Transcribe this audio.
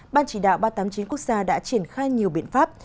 ban chỉ đạo ba trăm tám mươi chín quốc gia đã triển khai nhiều biện pháp